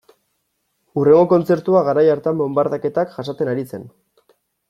Hurrengo kontzertua garai hartan bonbardaketak jasaten ari zen.